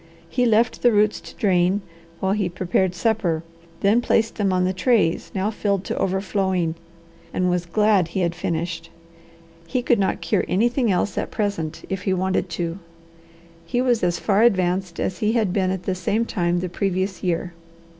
He left the roots to drain while he prepared supper, then placed them on the trays, now filled to overflowing, and was glad he had finished. He could not cure anything else at present if he wanted to. He was as far advanced as he had been at the same time the previous year.